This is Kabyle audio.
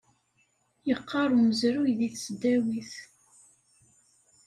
Yeqqar umezruy deg tesdawit.